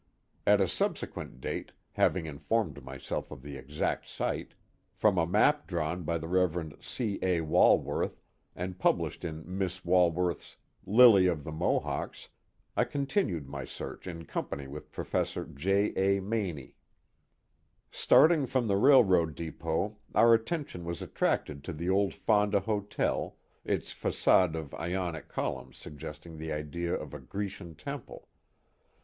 At a subse quent date, having informed myself of the exact site, from a map drawn by the Rev. C. A. Walworth, and published in Miss V/alworth's Ltfy a/ (/tc Maka%vis, I continued my search in company with Prof. J. A. Maney. Starting from the railroad depot our attention was attracted to the old Fonda Hotel, its facade of Ionic columns suggesting the idea of a Grecian temple.